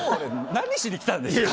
何しに来たんですか？